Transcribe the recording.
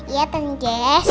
iya tante jess